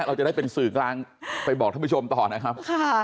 เราจะได้เป็นสื่อกลางไปบอกท่านผู้ชมต่อนะครับ